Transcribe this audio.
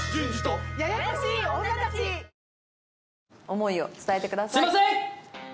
思いを伝えてください。